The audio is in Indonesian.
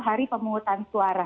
hari pemungutan suara